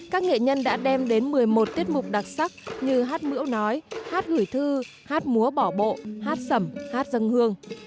các nghệ nhân đã đem đến một mươi một tiết mục đặc sắc như hát mưỡu nói hát gửi thư hát múa bỏ bộ hát sẩm hát dân hương